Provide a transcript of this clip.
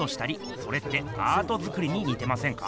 それってアート作りににてませんか？